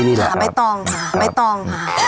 ชาวใบตอง